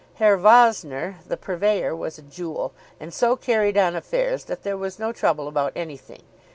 Herr Vossner, the purveyor, was a jewel, and so carried on affairs that there was no trouble about anything.